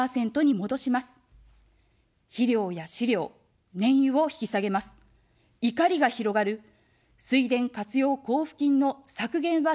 肥料や飼料、燃油を引き下げます、怒りが広がる水田活用交付金の削減は中止させます。